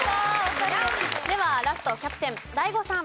ではラストキャプテンＤＡＩＧＯさん。